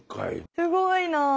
すごいな。